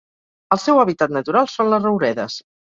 El seu hàbitat natural són les rouredes.